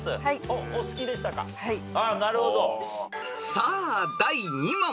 ［さあ第２問］